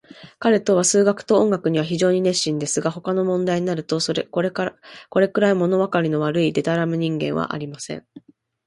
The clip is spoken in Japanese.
彼等は数学と音楽には非常に熱心ですが、そのほかの問題になると、これくらい、ものわかりの悪い、でたらめな人間はありません。